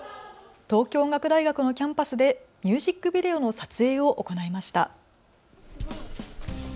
東京音楽大学のキャンパスでミュージックビデオの撮影を行いました。